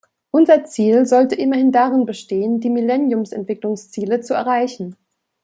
Unser Ziel sollte immer darin bestehen, die Millenniums-Entwicklungsziele zu erreichen.